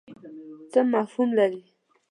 څه مفهوم لري.